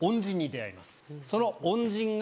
その恩人が。